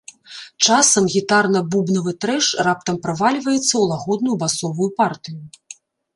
Часам гітарна-бубнавы трэш раптам правальваецца ў лагодную басовую партыю.